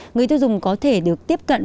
người tiêu dùng có thể được tiếp cận